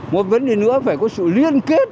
một vấn đề nữa phải có sự liên kết